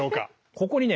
ここにね